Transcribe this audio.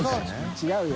違うよ。